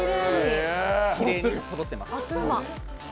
きれいにそろってます。